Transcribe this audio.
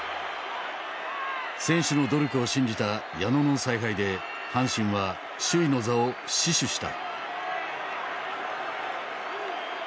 選手の努力を信じた矢野の采配で阪神は首位の座を死守した。